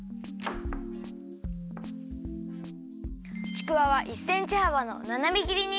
ちくわは１センチはばのななめぎりに。